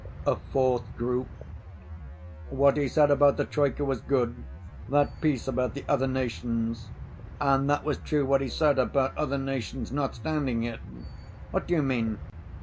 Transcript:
A fourth group: "What he said about the troika was good, that piece about the other nations." "And that was true what he said about other nations not standing it." "What do you mean?"